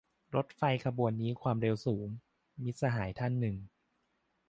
"รถไฟขบวนนี้ความเร็วสูง" - มิตรสหายท่านหนึ่ง